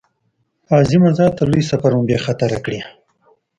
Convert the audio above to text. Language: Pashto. عظیمه ذاته لوی سفر مو بې خطره کړې.